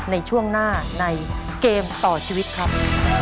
ในช่วงหน้าในเกมต่อชีวิตครับ